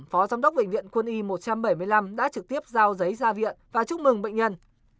phó giám đốc bệnh viện quân y một trăm bảy mươi năm đã trực tiếp giao giấy gia viện và chúc mừng bệnh nhân